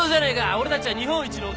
俺たちは日本一のオケ。